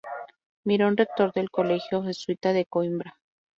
Miron, rector del colegio jesuita de Coímbra.